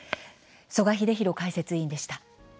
曽我英弘解説委員でした。